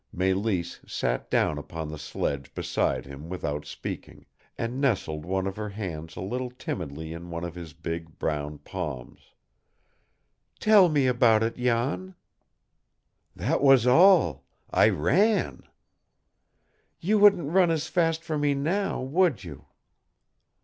Mélisse sat down upon the sledge beside him without speaking, and nestled one of her hands a little timidly in one of his big, brown palms. "Tell me about it, Jan." "That was all I ran." "You wouldn't run as fast for me now, would you?"